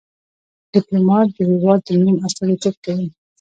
ډيپلومات د هېواد د نوم استازیتوب کوي.